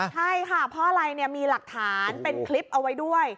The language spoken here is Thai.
ใช่ค่ะเพราะอะไรมีหลักฐานเป็นคลิปเอาไว้ด้วย